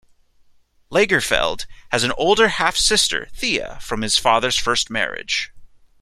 Lagerfeld has an older half-sister, Thea, from his father's first marriage.